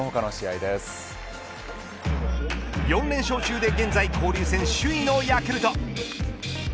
４連勝中で現在交流戦首位のヤクルト。